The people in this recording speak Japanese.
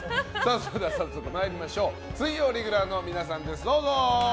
それでは早速水曜レギュラーの皆さんです！